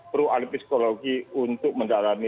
perlu alih psikologi untuk menjalani